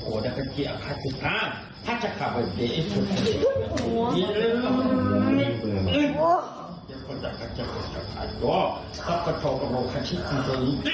โอ้โกรธโยรธ